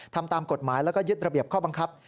ทำตามกฎหมายแล้วก็ยึดระเบียบข้อบังคับ